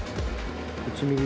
１ｍｍ。